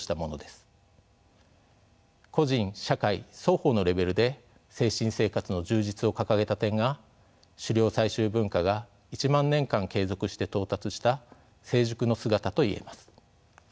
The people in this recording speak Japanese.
個人・社会双方のレベルで「精神生活の充実」を掲げた点が狩猟採集文化が１万年間継続して到達した成熟の姿と言えます。